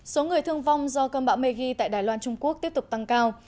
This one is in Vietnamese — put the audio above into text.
số người thương vong do cơn bão megi tại đài loan trung quốc tiếp tục tăng cao